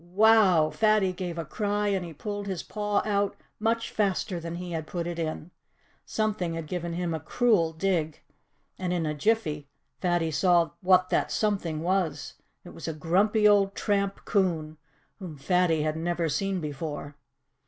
WOW! Fatty gave a cry; and he pulled his paw out much faster than he had put it in. Something had given him a cruel dig. And in a jiffy Fatty saw what that "something" was. It was a grumpy old tramp coon, whom Fatty had never seen before.